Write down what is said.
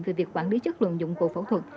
về việc quản lý chất lượng dụng cụ phẫu thuật